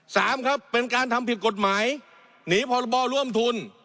สามครับเป็นการทำผิดกฎหมายหนีพรบร่วมทุน